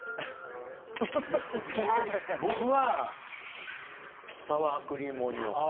僕はサワークリームオニオン。